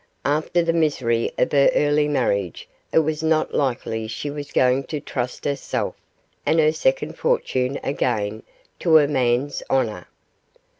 After the misery of her early marriage it was not likely she was going to trust herself and her second fortune again to a man's honour.